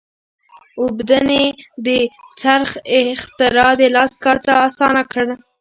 اوبدنې د څرخ اختراع د لاس کار اسانه کړ.